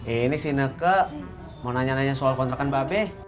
ini si neke mau nanya nanya soal kontrakan mbak peh